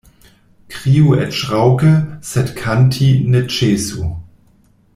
Kriu eĉ raŭke, sed kanti ne ĉesu.